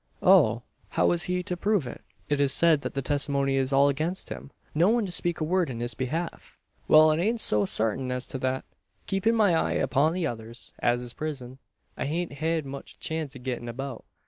"Oh! how is he to prove it? It is said, that the testimony is all against him! No one to speak a word in his behalf!" "Wal, it ain't so sartint as to thet. Keepin' my eye upon the others, an his prison; I hain't hed much chance o' gettin' abeout.